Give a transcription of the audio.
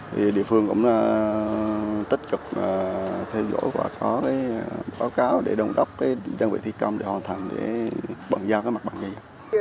thì địa phương cũng tích cực theo dõi và có báo cáo để đồng đốc đơn vị thi công để hoàn thành bận giao mặt bản dân